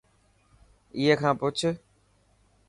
ائي کان پڇ.